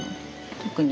特に？